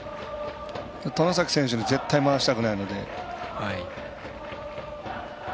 外崎選手に絶対、回したくないので。